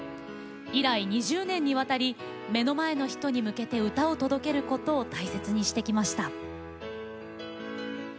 以来、２０年にわたり目の前の人に向けて歌を届けることを大切にしてきました。